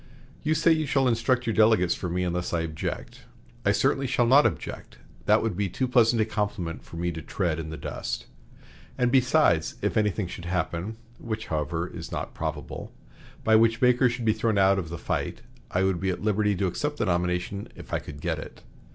You say you shall instruct your delegates for me, unless I object. I certainly shall not object. That would be too pleasant a compliment for me to tread in the dust. And, besides, if anything should happen (which, however, is not probable) by which Baker should be thrown out of the fight, I would be at liberty to accept the nomination if I could get it.